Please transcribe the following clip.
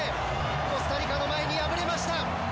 コスタリカの前に敗れました。